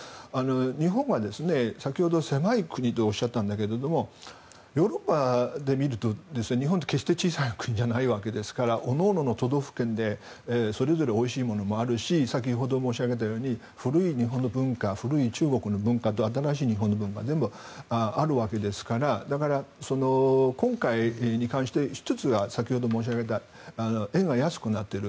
日本は先ほど狭い国とおっしゃったんだけどもヨーロッパで見ると日本って決して小さい国ではないのでおのおのの都道府県でそれぞれおいしいものもあるし先ほど申し上げたように古い日本の文化古い中国の文化と新しい日本の文化と全部あるわけですからだから、今回に関して１つは、先ほど申し上げた円が安くなっている。